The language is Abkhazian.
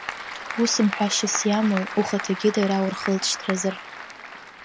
Ус мҳәашьас иумои, ухаҭагьы дара урхылҵышьҭразар!